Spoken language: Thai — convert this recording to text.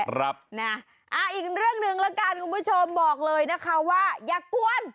อีกเรื่องหนึ่งแล้วกันคุณผู้ชมบอกเลยนะคะว่าอย่ากวน